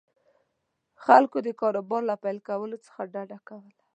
خلکو د کاروبار له پیل کولو څخه ډډه کوله.